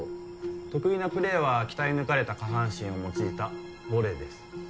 得意なプレーは鍛え抜かれた下半身を用いたボレーです。